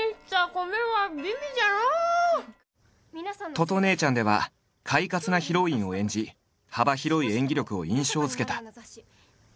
「とと姉ちゃん」では快活なヒロインを演じ幅広い演技力を印象づけた。